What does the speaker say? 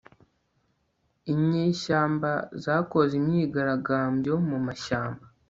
inyeshyamba zakoze imyigaragambyo mumashyamba